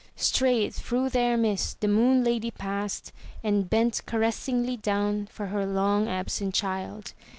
Straight through their midst the Moon Lady passed and bent caressingly down for her long absent child.